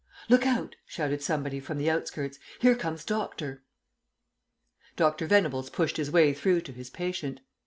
"Look out," shouted somebody from the outskirts; "here comes Doctor." Dr. Venables pushed his way through to his patient.